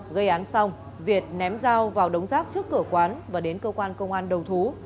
gây án xong việt ném dao vào đống rác trước cửa quán và đến cơ quan công an đầu thú